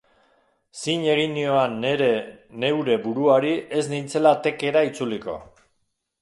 Zin egin nioan neure buruari ez nintzela tekkera itzuliko.